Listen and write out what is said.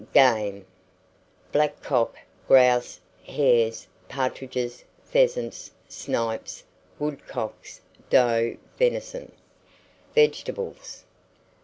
GAME. Blackcock, grouse, hares, partridges, pheasants, snipes, woodcocks, doe venison. VEGETABLES.